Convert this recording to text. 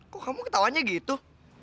kok kamu ketawanya gitu